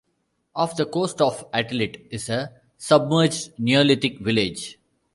Off the coast of Atlit is a submerged Neolithic village.